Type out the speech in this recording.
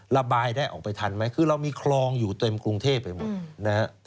ระบายได้ออกไปทันไหมคือเรามีคลองอยู่เต็มกรุงเทพไปหมดนะฮะ